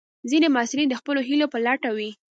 ځینې محصلین د خپلو هیلو په لټه وي.